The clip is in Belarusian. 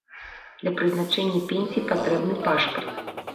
Для прызначэння пенсіі патрэбны пашпарт.